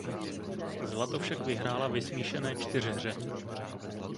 Zlato však vyhrála ve smíšené čtyřhře.